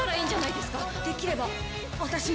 できれば私も。